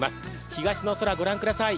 東の空、御覧ください。